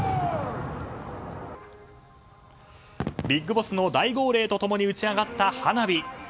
ビッグボスの大号令と共に打ち上がった花火。